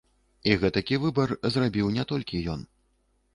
І гэтакі выбар зрабіў не толькі ён.